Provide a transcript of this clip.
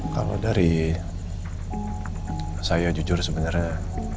kalau dari saya jujur sebenarnya